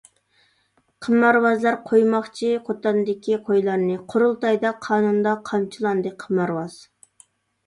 قىمارۋازلار قويماقچى قوتاندىكى قويلارنى، قۇرۇلتايدا قانۇندا قامچىلاندى قىمارۋاز.